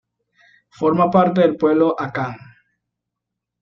Forma parte del pueblo akan.